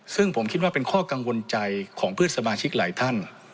ซึ่งผมคิดว่าเป็นข้อกังวลใจของเพื่อนสมาชิกหลายท่าน